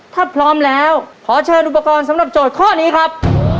ถ้าพร้อมแล้วขอเชิญอุปกรณ์สำหรับโจทย์ข้อนี้ครับ